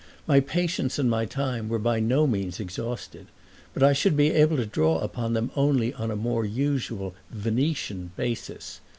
My patience and my time were by no means exhausted, but I should be able to draw upon them only on a more usual Venetian basis.